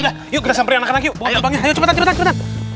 ayo kita samperin anak anak yuk ayo cepetan cepetan